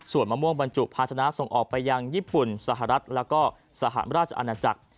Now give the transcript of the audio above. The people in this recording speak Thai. ส่วนมะม่วงบรรจุภาษณะส่งออกไปยังญี่ปุ่นสหรัฐแล้วก็สหราชอาณาจักร